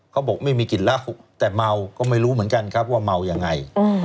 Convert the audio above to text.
เขาบอกไม่มีกลิ่นเหล้าแต่เมาก็ไม่รู้เหมือนกันครับว่าเมายังไง